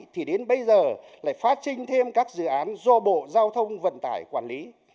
thì đến bây giờ lại phát sinh thêm các dự án do bộ giao thông vận tải quản lý